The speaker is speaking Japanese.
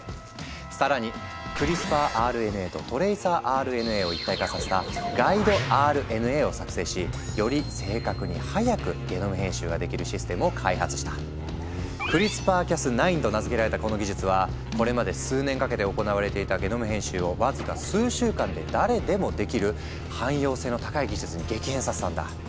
更にクリスパーＲＮＡとトレイサーＲＮＡを一体化させた「ガイドＲＮＡ」を作成しより正確に早くゲノム編集ができるシステムを開発した。と名付けられたこの技術はこれまで数年かけて行われていたゲノム編集をわずか数週間で誰でもできる汎用性の高い技術に激変させたんだ。